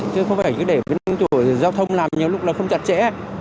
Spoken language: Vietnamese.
chứ không phải để cái năng chủ giao thông làm nhiều lúc là không chặt chẽ